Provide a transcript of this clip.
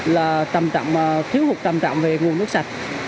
là thiếu hụt trầm trọng về nguồn nước sạch